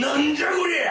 こりゃあ！